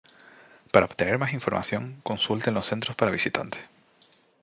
Para obtener más información consulte en los centros para visitantes.